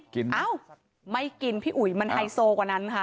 เอ้าไม่กินพี่อุ๋ยมันไฮโซกว่านั้นค่ะ